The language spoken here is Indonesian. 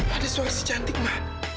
ada suara si cantik ma